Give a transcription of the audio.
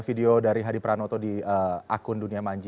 video dari hadi pranoto di akun dunia manji